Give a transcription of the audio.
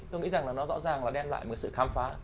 tôi nghĩ rằng là nó rõ ràng là đem lại một sự khám phá